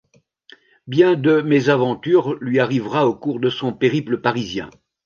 Bien de mésaventures lui arrivera au cours de son périple parisien.